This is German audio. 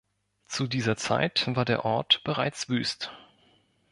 Zu dieser Zeit war der Ort bereits wüst.